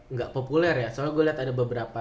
nggak populer ya soalnya gue liat ada beberapa